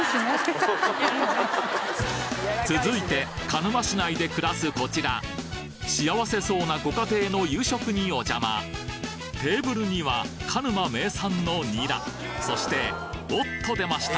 続いて鹿沼市内で暮らすこちら幸せそうなご家庭の夕食にお邪魔テーブルには鹿沼名産のニラそしておっと出ました！